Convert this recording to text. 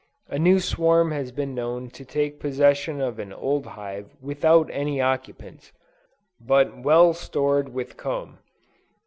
A new swarm has been known to take possession of an old hive without any occupants, but well stored with comb.